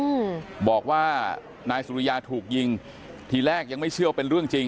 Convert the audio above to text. อืมบอกว่านายสุริยาถูกยิงทีแรกยังไม่เชื่อว่าเป็นเรื่องจริง